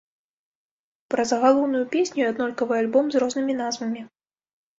Пра загалоўную песню і аднолькавы альбом з рознымі назвамі.